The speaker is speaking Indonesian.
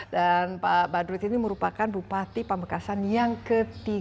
dan pak badrut ini merupakan bupati pamekasan yang ke tiga puluh dua